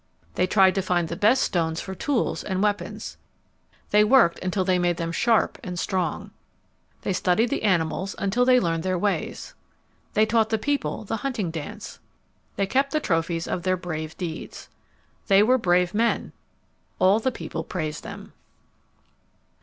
They tried to find the best stones for tools and weapons. They worked until they made them sharp and strong. They studied the animals until they learned their ways. They taught the people the hunting dance. They kept the trophies of their brave deeds. They were brave men. All the people praised them.